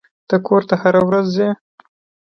ته کور ته هره ورځ ځې.